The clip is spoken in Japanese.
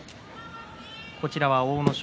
こちらは阿武咲